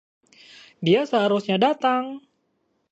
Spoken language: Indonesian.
Dia seharusnya datang.